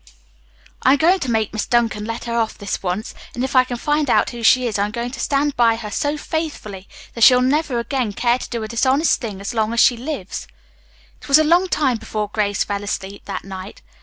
I'm going to make Miss Duncan let her off this once, and if I can find out who she is, I'm going to stand by her so faithfully that she'll never again care to do a dishonest thing as long as she lives." It was a long time before Grace fell asleep that night.